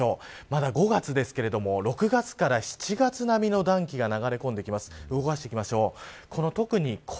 まだ５月ですけれども６月から７月並みの暖気が流れ込んできます。